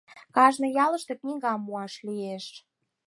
Кажне ялыште книгам муаш лиеш.